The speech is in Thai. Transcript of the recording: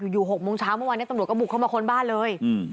๖โมงเช้าเมื่อวานนี้ตำรวจก็บุกเข้ามาค้นบ้านเลย